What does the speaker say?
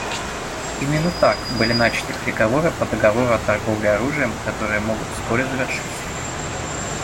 Именно так были начаты переговоры по договору о торговле оружием, которые могут вскоре завершиться.